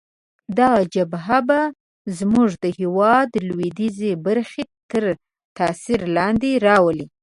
دغه جبهه به زموږ د هیواد لویدیځې برخې تر تاثیر لاندې راولي.